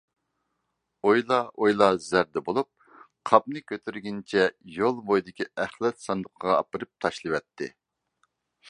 ئويلا-ئويلا زەردە بولۇپ، قاپنى كۆتۈرگىنىچە يول بويىدىكى ئەخلەت ساندۇقىغا ئاپىرىپ تاشلىۋەتتى.